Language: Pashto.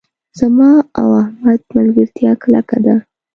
زما او احمد ملګرتیا کلکه ده.